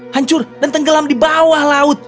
hancur dan tenggelam di bawah laut